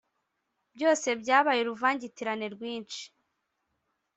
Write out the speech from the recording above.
Byose byabaye uruvangitirane rwinshi